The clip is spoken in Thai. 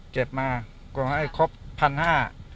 เก็บมากว่าให้ครบ๑๕๐๐บาท